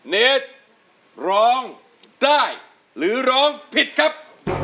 เนสร้องได้หรือร้องผิดครับ